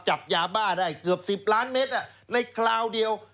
จับยาบ้าได้เกือบ๑๐ล้านเมตรในคราวเดียว